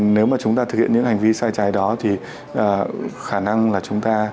nếu mà chúng ta thực hiện những hành vi sai trái đó thì khả năng là chúng ta